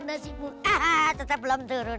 nasibu tetap belum turun